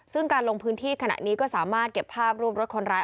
ซึ่งการลงพื้นที่ขณะนี้ก็สามารถเก็บภาพรูปรถคนร้าย